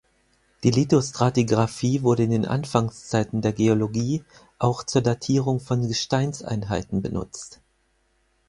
Die Lithostratigraphie wurde in den Anfangszeiten der Geologie auch zur Datierung von Gesteinseinheiten benutzt.